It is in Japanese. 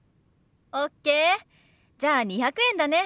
じゃあ２００円だね。